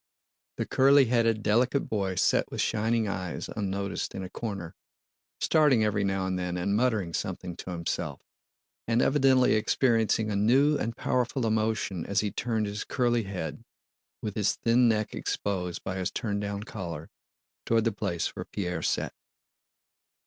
The curly headed, delicate boy sat with shining eyes unnoticed in a corner, starting every now and then and muttering something to himself, and evidently experiencing a new and powerful emotion as he turned his curly head, with his thin neck exposed by his turn down collar, toward the place where Pierre sat.